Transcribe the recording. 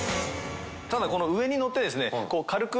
ただこの上に乗って軽く。